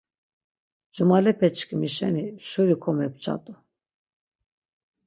Cumalepeçkimi şeni şuri komepçat̆u.